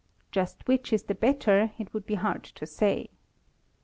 Just which is the better it would be hard to say.